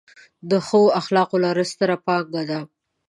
د ښو اخلاقو لرل، ستره پانګه ده.